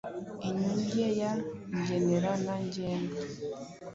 inyunge ya ngenera na ngenga.